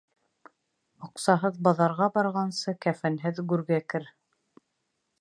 Аҡсаһыҙ баҙарға барғансы, кәфенһеҙ гүргә кер.